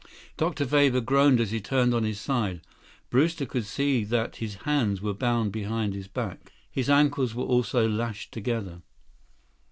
Dr. Weber groaned as he turned on his side. Brewster could see that his hands were bound behind his back. His ankles were also lashed together.